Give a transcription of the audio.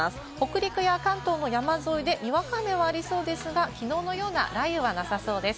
北陸や関東の山沿いでにわか雨がありそうですが、きのうのような雷雨はなさそうです。